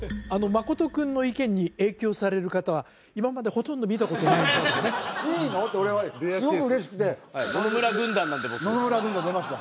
真君の意見に影響される方は今までほとんど見たことないいいの？って俺はすごく嬉しくて野々村軍団出ました